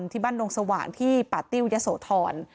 ที่บ้านโดงสว่างที่ป่าติ้วยะโสธร